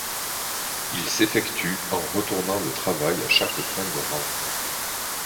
Il s'effectue en retournant le travail à chaque fin de rang.